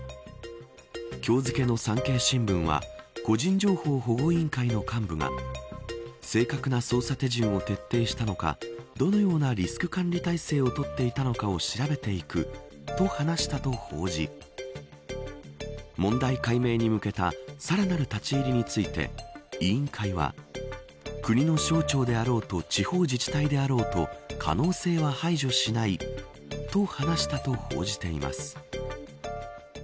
今日付の産経新聞は個人情報保護委員会の幹部が正確な操作手順を徹底したのかどのようなリスク管理体制をとっていたのかを調べていくと話したと報じ問題解明に向けたさらなる立ち入りについて委員会は国の省庁であろうと地方自治体であろうと可能性は排除しないと話したと報じています。